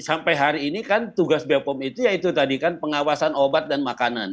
sampai hari ini kan tugas bpom itu yaitu tadi kan pengawasan obat dan makanan